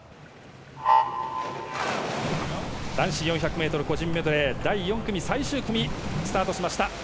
男子４００ｍ個人メドレー第４組最終組がスタートしました。